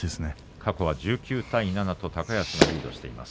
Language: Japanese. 過去１９対７と高安がリードしています